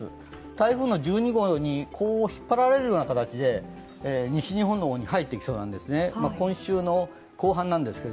台風の１２号に引っ張られるような形で西日本の方に入っていきそうなんです、今週の後半なんですが。